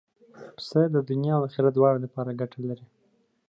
پسه د دنیا او آخرت دواړو ګټه لري.